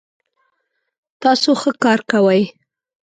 تاسو ښه کار کوئ